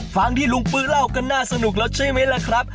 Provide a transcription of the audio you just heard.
ฟังที่ลุงปื๊เล่าก็น่าสนุกแล้วใช่ไหมล่ะครับ